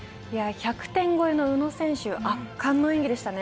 １００点超えの宇野選手圧巻の演技でしたね。